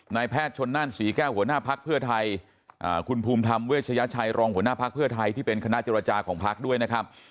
แพทย์ชนนั่นศรีแก้วหัวหน้าพักเพื่อไทยคุณภูมิธรรมเวชยชัยรองหัวหน้าพักเพื่อไทยที่เป็นคณะเจรจาของพักด้วยนะครับ